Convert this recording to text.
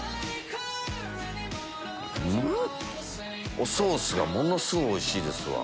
おソースがものすごいおいしいですわ。